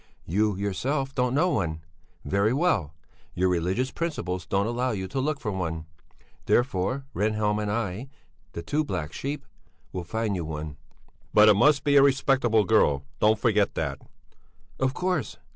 You, yourself, don't know one. Very well! Your religious principles don't allow you to look for one; therefore Rehnhjelm and I, the two black sheep, will find you one." "But it must be a respectable girl, don't forget that." "Of course!